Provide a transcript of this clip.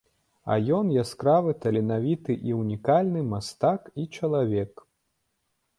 А ён яскравы таленавіты і унікальны мастак і чалавек.